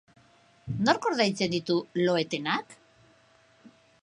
Nork ordaintzen ditu lo-etenak?